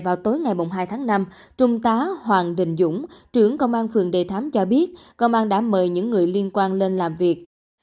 vào tối ngày hai tháng năm trung tá hoàng đình dũng trưởng công an phường đề thám cho biết công an đã mời những người liên quan lên làm việc